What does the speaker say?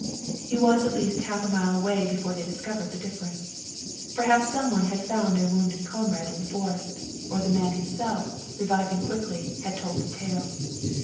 He was at least a half mile away before they discovered the difference. Perhaps some one had found their wounded comrade in the forest, or the man himself, reviving quickly, had told the tale.